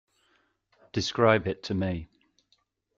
Describe it to me.